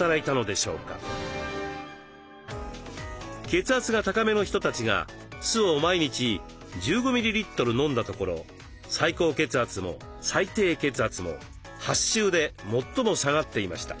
血圧が高めの人たちが酢を毎日１５ミリリットル飲んだところ最高血圧も最低血圧も８週で最も下がっていました。